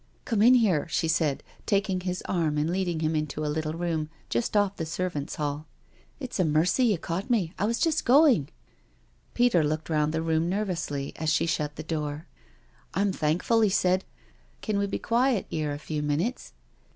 '* Come in here," she said, taking his arm and lead ing him into a little room just off the servants' hall. •• It's a mercy you caught me — I was just going." Peter looked round the room nervously as she shut the door. *" I'm thankful," he said. " Can we be quiet 'ere a few minutes?"